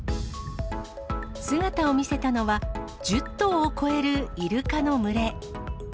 姿を見せたのは、１０頭を超えるイルカの群れ。